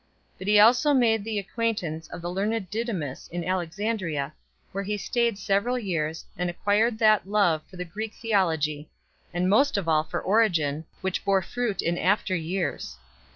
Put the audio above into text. But he also made the acquaintance of the learned Didy mus in Alexandria, where he stayed several years, and acquired that love for the Greek theology, and most of all for Origen, which bore fruit in after years.